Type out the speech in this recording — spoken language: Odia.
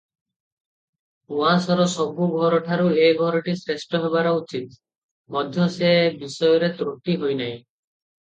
ଉଆସର ସବୁ ଘରଠାରୁ ଏ ଘରଟି ଶ୍ରେଷ୍ଠ ହେବାର ଉଚିତ, ମଧ୍ୟ ସେ ବିଷୟରେ ତ୍ରୁଟି ହୋଇନାହିଁ ।